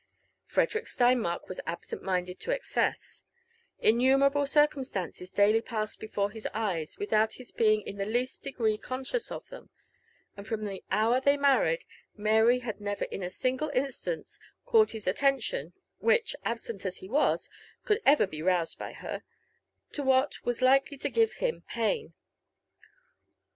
Frederick Steinmark was absent minded to excess ; innumerable circumstances daily passed before his eyes without his being In the least degree conscious of them ; and from the hour they married, Mary had never in any single instance called his attention — which, absent as he was,*could ever be roused by her — to what was likely to give him pain.